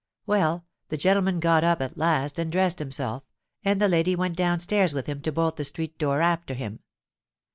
Well, the gentleman got up at last and dressed himself; and the lady went down stairs with him to bolt the street door after him.